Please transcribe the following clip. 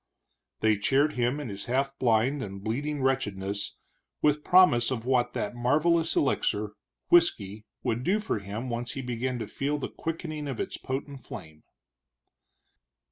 They cheered him in his half blind and bleeding wretchedness with promise of what that marvelous elixir, whisky, would do for him once he began to feel the quickening of its potent flame.